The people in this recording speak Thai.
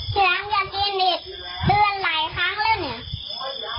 จะกีนเดียวเจือนหลายครั้งแล้วไหม